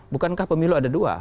bukankah pemilu ada dua